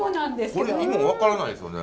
これ芋分からないですよね。